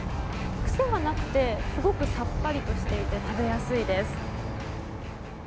癖がなくてすごくさっぱりとしていて食べやすいです。